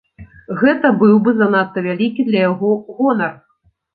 Гэта быў бы занадта вялікі для яго гонар.